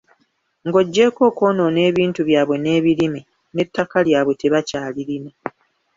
Ng'oggyeko okwonoona ebintu byabwe n'ebirime, n'ettaka ttaka lyabwe tebakyalirina.